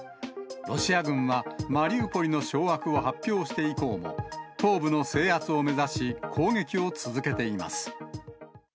ロシア軍はマリウポリの掌握を発表して以降も、東部の制圧を目指し、攻撃を続けています。